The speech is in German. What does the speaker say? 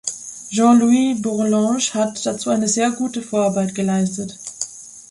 Jean-Louis Bourlanges hat dazu eine sehr gute Vorarbeit geleistet.